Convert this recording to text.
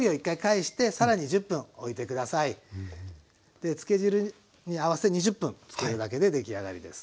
で漬け汁に合わせ２０分つけるだけで出来上がりです。